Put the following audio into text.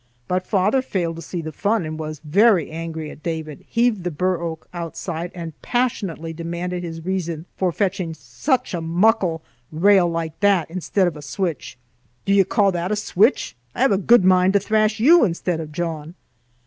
But father failed to see the fun and was very angry at David, heaved the bur oak outside and passionately demanded his reason for fetching "sic a muckle rail like that instead o' a switch? Do ye ca' that a switch? I have a gude mind to thrash you insteed o' John."